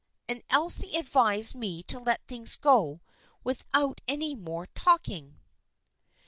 And Elsie advised me to let things go without any more talking."